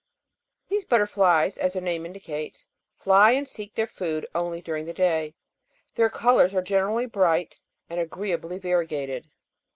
These butterflies, as their name indicates, fly and seek their food only during the day ; their colours are generally bright and agreeably variegated.